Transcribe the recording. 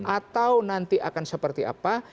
atau nanti akan seperti apa